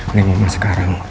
ini memang sekarang